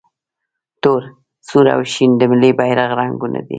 تور، سور او شین د ملي بیرغ رنګونه دي.